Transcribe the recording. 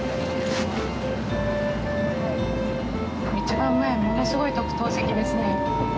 一番前は物すごい特等席ですね。